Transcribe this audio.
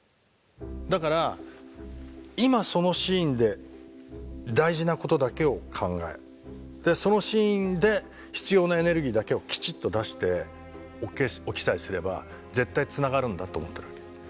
だから今そのシーンで大事なことだけを考えそのシーンで必要なエネルギーだけをきちっと出しておきさえすれば絶対つながるんだと思ってるわけ。